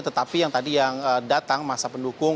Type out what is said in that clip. tetapi yang tadi yang datang masa pendukung